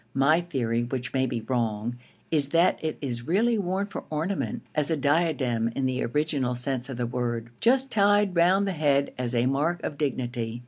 My theory, which may be wrong, is that it is really worn for ornament, as a diadem in the original sense of the word, just tied round the head as a mark of dignity.